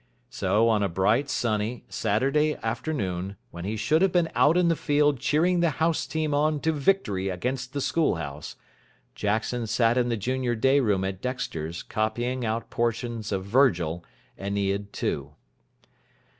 So on a bright sunny Saturday afternoon, when he should have been out in the field cheering the house team on to victory against the School House, Jackson sat in the junior day room at Dexter's copying out portions of Virgil, Aeneid Two.